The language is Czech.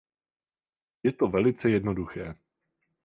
Je to velice jednoduché.